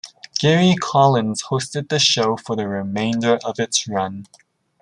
Gary Collins hosted the show for the remainder of its run.